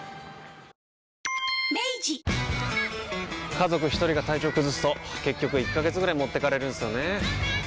家族一人が体調崩すと結局１ヶ月ぐらい持ってかれるんすよねー。